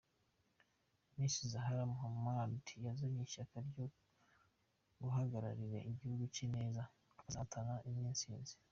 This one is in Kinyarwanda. Miss Zahara Muhammad yajyanye ishyaka ryo guhagararira igihugu cye neza akazatahana intsinzi.